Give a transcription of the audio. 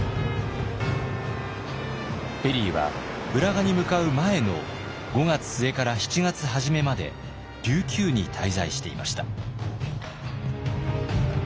ペリーは浦賀に向かう前の５月末から７月初めまで琉球に滞在していました。